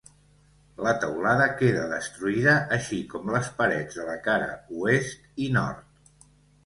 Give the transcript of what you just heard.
La teulada queda destruïda així com les parets de la cara Oest i Nord.